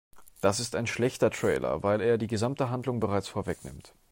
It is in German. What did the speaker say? Das ist ein schlechter Trailer, weil er die gesamte Handlung bereits vorwegnimmt.